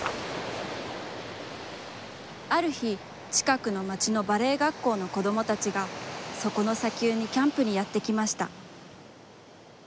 ある日、ちかくの町のバレエ学校の子どもたちが、そこの砂丘に、キャンプにやってきました。